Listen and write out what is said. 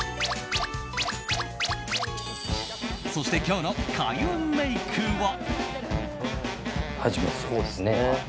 そして今日の開運メイクは。